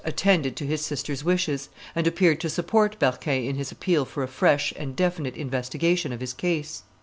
attended to his sister's wishes, and appeared to support Berquin in his appeal for a fresh and definite investigation of his case.